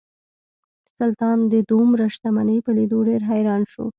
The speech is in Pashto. سلطان د دومره شتمنۍ په لیدو ډیر حیران شو.